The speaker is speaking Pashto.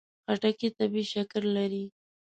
خټکی طبیعي شکر لري.